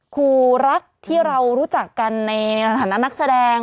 ครูรักที่เรารู้จักกันในฐานะนักแสดง